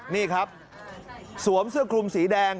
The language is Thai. นี่ครับสวมเสื้อคลุมสีแดง